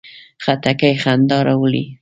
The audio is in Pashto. خټکی خندا راوړي.